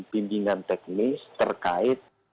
bimbingan teknis terkait